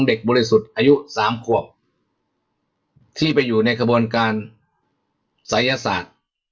บริสุทธิ์อายุ๓ขวบที่ไปอยู่ในขบวนการศัยศาสตร์